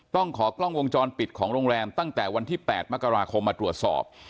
ต้องขอกล้องวงจรปิดของโรงแรมตั้งแต่วันที่๘มกราคมมาตรวจสอบ